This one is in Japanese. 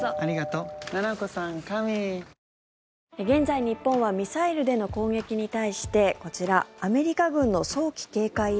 現在、日本はミサイルでの攻撃に対してこちら、アメリカ軍の早期警戒